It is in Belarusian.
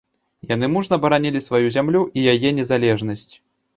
Яны мужна баранілі сваю зямлю і яе незалежнасць.